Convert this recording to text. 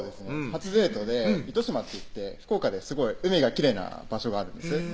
初デートで糸島っていって福岡ですごい海がきれいな場所があるんですね